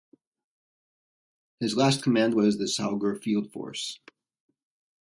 His last command was the Saugor Field Force.